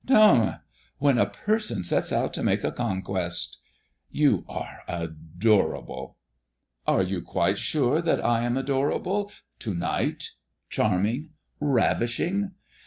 "Dame! When a person starts out to make a conquest!" "You are adorable!" "Are you quite sure that I am adorable to night, charming, ravishing?"